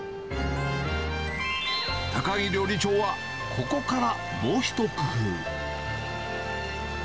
高木料理長はここからもう一工夫。